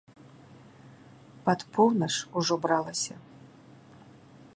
Пад поўнач ужо бралася.